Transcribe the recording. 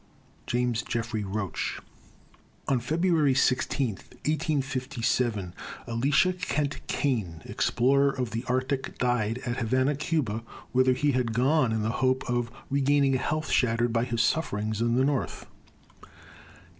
JAMES JEFFREY ROCHE. On February 16, 1857, Elisha Kent Kane, explorer of the Arctic, died at Havana, Cuba, whither he had gone in the hope of regaining a health shattered by his sufferings in the north.